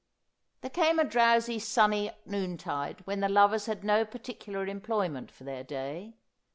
There came a drowsy sunny noontide when the lovers had no particular employment for their day.